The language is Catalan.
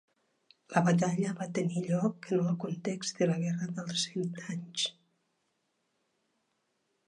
La batalla va tenir lloc en el context de la Guerra dels Cent Anys.